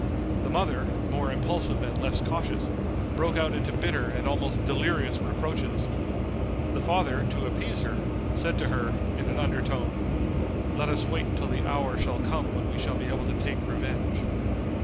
The mother, more impulsive and less cautious, broke out into bitter and almost delirious reproaches. The father, to appease her, said to her, in an under tone, "Let us wait till the hour shall come when we shall be able to take revenge."